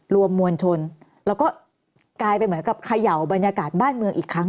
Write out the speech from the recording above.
มวลชนแล้วก็กลายเป็นเหมือนกับเขย่าบรรยากาศบ้านเมืองอีกครั้ง